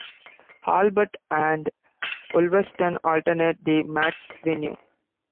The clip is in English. Albert and Ulverston alternate the match's venue.